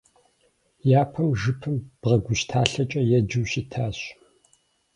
Япэм жыпым бгъэгущталъэкӏэ еджэу щытащ.